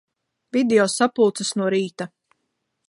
Video sapulces no rīta.